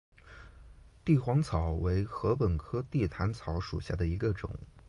帝皇草为禾本科地毯草属下的一个种。